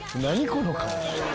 この顔。